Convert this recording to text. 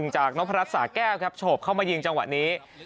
จากน้องภรรัชสะแก้วโฉบเข้ามายิงจังหวะนี้